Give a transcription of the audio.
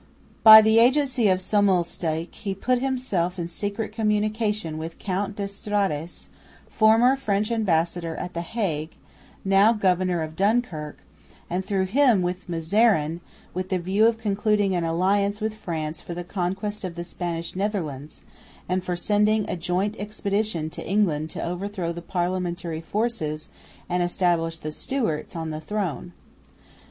By the agency of Sommelsdijk he put himself in secret communication with Count d'Estrades, formerly French ambassador at the Hague, now Governor of Dunkirk, and through him with Mazarin, with the view of concluding an alliance with France for the conquest of the Spanish Netherlands, and for sending a joint expedition to England to overthrow the Parliamentary forces and establish the Stewarts on the throne.